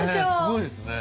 すごいですね。